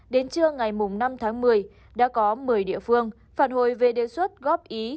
đến trưa ngày năm tháng một mươi đã có một mươi địa phương phản hồi về đề xuất góp ý